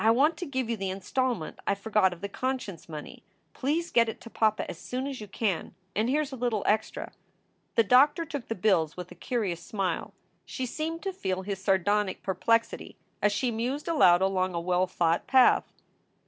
"I want to give you the installment I forgot, of the con science money. Please get it to papa as soon as you can. And here s a little extra." The doctor took the bills with a curious smile. She seemed to feel his sardonic perplexity as she mused aloud along a well thought path.